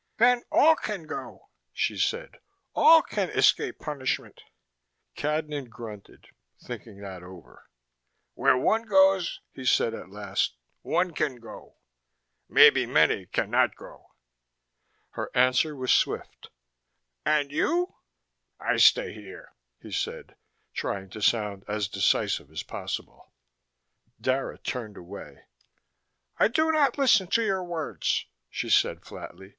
"Then all can go," she said. "All can escape punishment." Cadnan grunted, thinking that over. "Where one goes," he said at last, "one can go. Maybe many can not go." Her answer was swift. "And you?" "I stay here," he said, trying to sound as decisive as possible. Dara turned away. "I do not listen to your words," she said flatly.